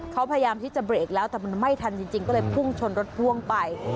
เขาพยายามที่จะเบรกแล้วแต่มันไม่ทันจริงก็เลยพุ่งชนรถพ่วงไป